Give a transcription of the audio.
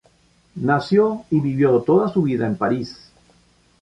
Nació y vivió toda su vida en París.